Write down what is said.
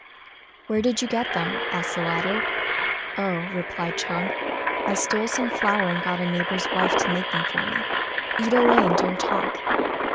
"Where did you get them?" asked the latter. "Oh," replied Ch'êng, "I stole some flour and got a neighbour's wife to make them for me. Eat away, and don't talk."